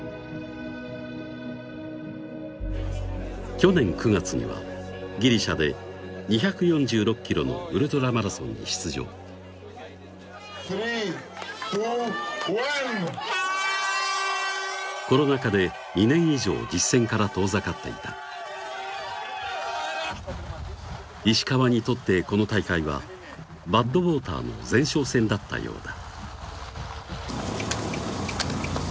去年９月にはギリシャで２４６ｋｍのウルトラマラソンに出場スリーツーワンコロナ禍で２年以上実戦から遠ざかっていた石川にとってこの大会はＢａｄｗａｔｅｒの前哨戦だったようだ